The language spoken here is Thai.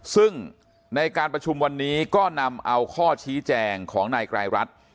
ซึ่งในการประชุมวันนี้ก็นำเอาข้อชี้แจงของนายไกรรัฐ